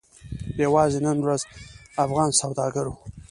یوازې نن ورځ افغان سوداګرو